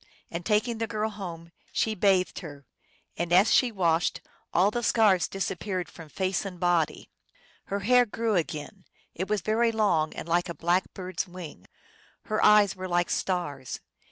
And, tak ing the girl home, she bathed her, and as she washed all the scars disappeared from face and body. Her hair grew again ; it was very long, and like a black bird s wing. Her eyes were like stars.